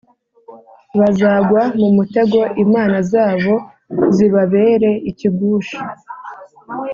Bazagwa mu mutego imana zabo zibabere ikigusha